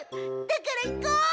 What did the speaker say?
だから行こう！